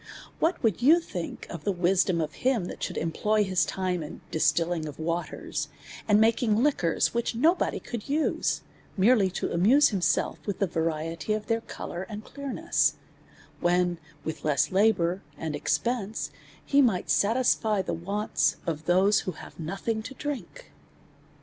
s3 263 A SERIOUS CALL TO A What would you think of the wisdom of him, that should employ his time in distilling of waters, and making liquors which nobody could use, merely to amuse himself with the variety of their colour and clearness, when, with less labour and expense, he might satisfy the wants of those who have nothing to drink.